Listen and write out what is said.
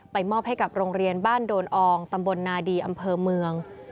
มอบให้กับโรงเรียนบ้านโดนอองตำบลนาดีอำเภอเมือง